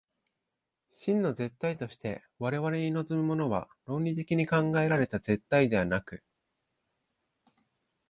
真の絶対として我々に臨むものは、論理的に考えられた絶対ではなく、